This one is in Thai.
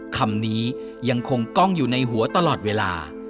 คำนี้ยังคงกล้องอยู่ในหัวตลอดเวลา